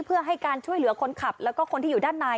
เพื่อให้การช่วยเหลือคนขับแล้วก็คนที่อยู่ด้านใน